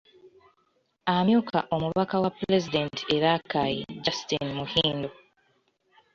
Amyuka omubaka wa Pulezidenti e Rakai Justine Muhindo.